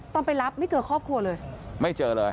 ตอนไปรับไม่เจอครอบครัวเลย